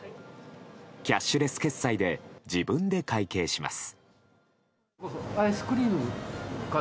キャッシュレス決済で自分で会計します。